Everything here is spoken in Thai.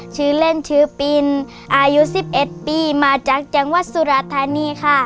ชื่อเล่นชื่อปินอายุ๑๑ปีมาจากจังหวัดสุราธานีค่ะ